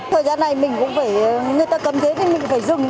thời gian này mình cũng phải người ta cấm dế nên mình cũng phải dừng